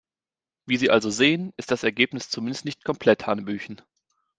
Wie Sie also sehen, ist das Ergebnis zumindest nicht komplett hanebüchen.